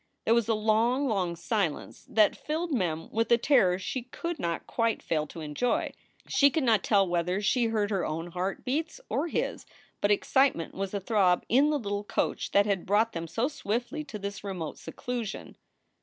There was a long, long silence that rilled Mem with a terror she could not quite fail to enjoy. She could not tell whether she heard her own heartbeats or his, but excitement was athrob in the little coach that had brought them so swiftly to this remote seclusion.